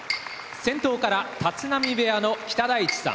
先頭から立浪部屋の北大地さん。